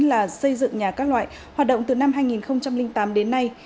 là xây dựng nhà các loại hoạt động từ năm hai nghìn tám đến nay